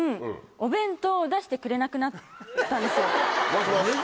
お弁当を出してくれなくなったの。